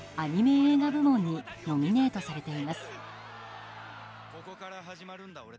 映画部門にノミネートされています。